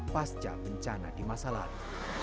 pasca bencana di masa lalu